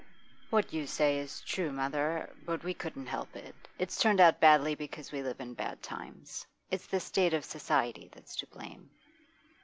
'What you say is true, mother, but we couldn't help it. It's turned out badly because we live in bad times. It's the state of society that's to blame.